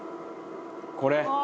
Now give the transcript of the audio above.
「これ。